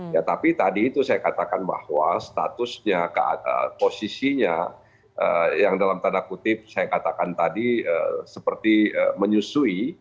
ya tapi tadi itu saya katakan bahwa statusnya posisinya yang dalam tanda kutip saya katakan tadi seperti menyusui